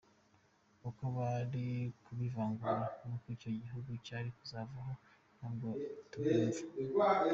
Uko bari kubivangura n’uko icyo gihugu cyari kuzabaho ntabwo tucyumva.